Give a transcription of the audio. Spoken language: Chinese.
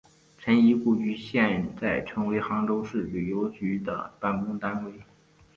陈仪故居现在成为杭州市旅游局的办公单位。